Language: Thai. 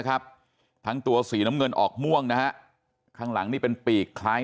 ครับทั้งตัวสีน้ำเงินออกม่วงนะฮะข้างหลังนี่เป็นปีกคล้าย